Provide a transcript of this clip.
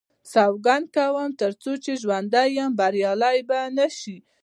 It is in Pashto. سوګند کوم تر څو چې ژوندی یم بریالی به نه شي.